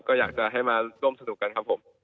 ก็อยากจะให้มาร่วมสนุกกันครับผม